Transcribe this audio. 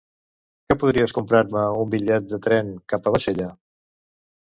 Que podries comprar-me un bitllet de tren cap a Bassella?